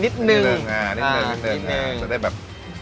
จะได้แบบ